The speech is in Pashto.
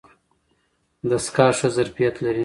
دستګاه ښه ظرفیت لري.